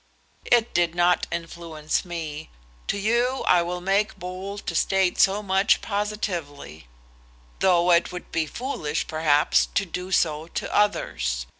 "It did not influence me. To you I will make bold to state so much positively, though it would be foolish, perhaps, to do so to others.